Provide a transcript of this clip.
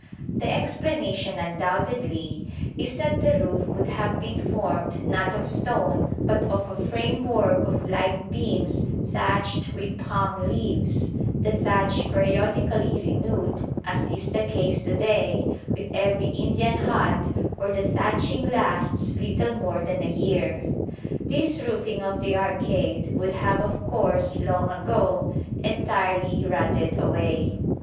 The explanation undoubtedly is that the roof would have been formed not of stone but of a framework of light beams thatched with palm leaves, the thatch periodically renewed, as is the case to day with every Indian hut where the thatching lasts little more than a year. This roofing of the arcade would have of course long ago entirely rotted away.